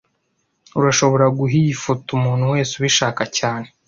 Urashobora guha iyi foto umuntu wese ubishaka cyane